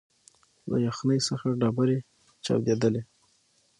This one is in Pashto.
له یخنۍ څخه ډبري چاودېدلې